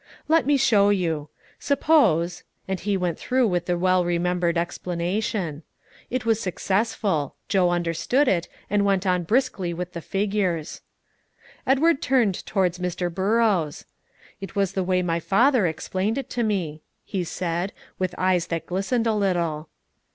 "Let me show you. Suppose" And he went through with the well remembered explanation. It was successful, Joe understood it, and went on briskly with the figures. Edward turned towards Mr. Burrows. "It was the way my father explained it to me," he said, with eyes that glistened a little.